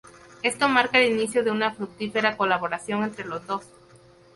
Esto marca el inicio de una fructífera colaboración entre los dos.